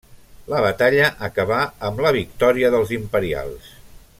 La batalla acabà amb la victòria dels Imperials.